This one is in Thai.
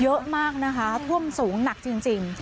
เยอะมากนะคะท่วมสูงหนักจริง